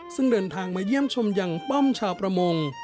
ซึ่งเดินทางมาเยี่ยมชมยังป้อมชาวประมง